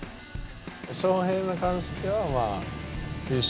翔平に関しては、優勝